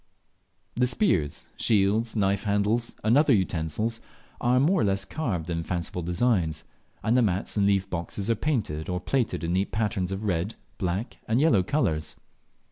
The spears, shields, knife handles, and other utensils are more or less carved in fanciful designs, and the mats and leaf boxes are painted or plaited in neat patterns of red, black, and yellow colours.